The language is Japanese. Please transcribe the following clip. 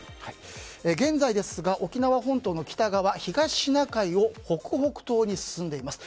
現在ですが沖縄本島の北側、東シナ海を北北東に進んでいます。